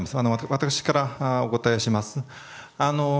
私からお答えします。